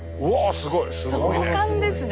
すごいね！